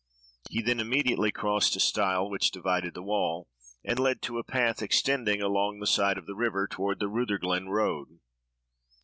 He then immediately crossed a stile, which divided the wall, and led to a path extending along the side of the river toward the Rutherglen road.